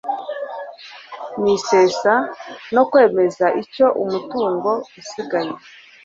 n isesa no kwemeza icyo umutungo usigaye